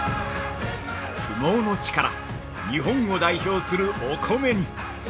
◆不毛の地から日本を代表するお米に！